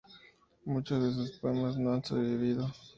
Muchos de sus poemas no han sobrevivido.